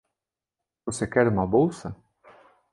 Você quer uma bolsa?